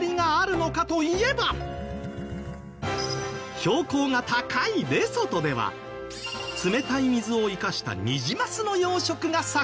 標高が高いレソトでは冷たい水を生かしたニジマスの養殖が盛ん。